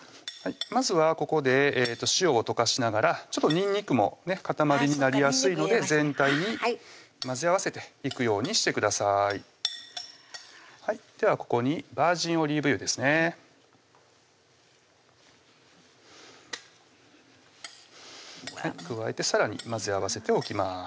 まずはここで塩を溶かしながらちょっとにんにくも固まりになりやすいので全体に混ぜ合わせていくようにしてくださいではここにバージンオリーブ油ですね加えてさらに混ぜ合わせておきます